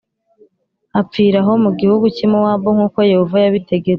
apfira aho mu gihugu cy’i Mowabu nk’uko Yehova yabitegetse.